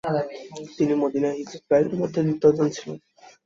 তিনি মদিনায় হিজরত কারীদের মধ্যে দ্বিতীয়জন ছিলেন।